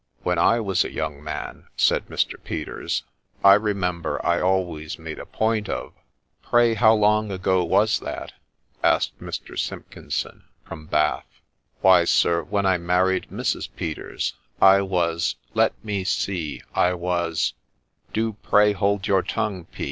4 When I was a young man,' said Mr. Peters, * I remember I always made a point of '' Pray how long ago was that ?' asked Mr. Simpkinson from Bath. * Why, sir, when I married Mrs. Peters, I was — let me see — I was '' Do pray hold your tongue, P.